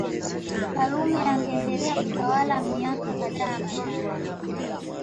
Karume angeendelea kutawala miaka kadhaa baadae